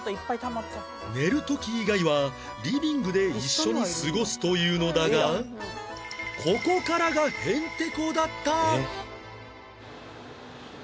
寝る時以外はリビングで一緒に過ごすというのだがここからがヘンテコだった！